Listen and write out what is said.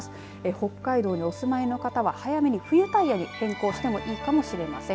北海道にお住まいの方は早めに冬タイヤに変更してもいいかもしれません。